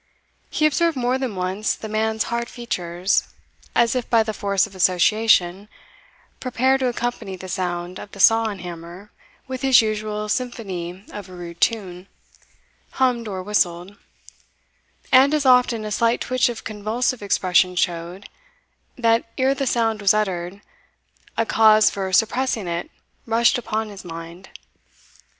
He observed more than once the man's hard features, as if by the force of association, prepare to accompany the sound of the saw and hammer with his usual symphony of a rude tune, hummed or whistled, and as often a slight twitch of convulsive expression showed, that ere the sound was uttered, a cause for suppressing it rushed upon his mind.